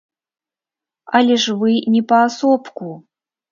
Але ж вы не паасобку.